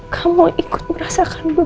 kamu ikut merasakan buku buku